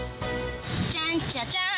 ちゃんちゃちゃーん！